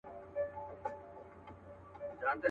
هره شېبه درس د قربانۍ لري.